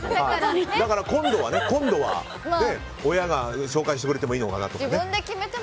だから今度は親が紹介してくれてもいいのかなって。